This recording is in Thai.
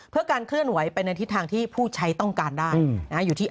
เพื่อการเคลื่อนไหวไปในทิศทางที่ผู้ใช้ต้องการได้อยู่ที่